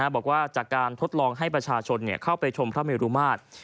บอกว่าจากการทดลองให้ประชาชนเข้าไปชมพระเมรุมาตร